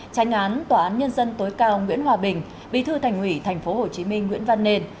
tranh án tòa án nhân dân tối cao nguyễn hòa bình bí thư thành ủy tp hcm nguyễn văn nền